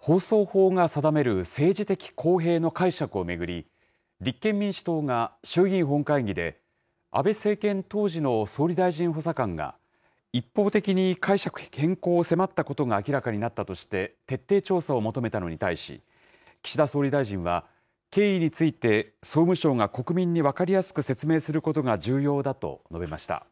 放送法が定める政治的公平の解釈を巡り、立憲民主党が衆議院本会議で、安倍政権当時の総理大臣補佐官が、一方的に解釈変更を迫ったことが明らかになったとして徹底調査を求めたのに対し、岸田総理大臣は、経緯について総務省が国民に分かりやすく説明することが重要だと述べました。